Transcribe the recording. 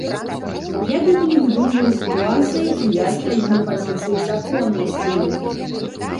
Як бы вы ні выдумвалі сітуацыі, я стаю на пазіцыі законнасці!